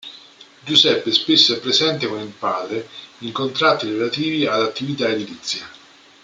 Giuseppe spesso è presente con il padre in contratti relativi ad attività edilizia.